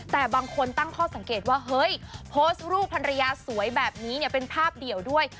แต่บางคนตั้งข้อสังเกตว่าเฮ้ยโพสต์รูปภรรยาสวยแบบนี้เนี่ยเป็นภาพเดี่ยวด้วย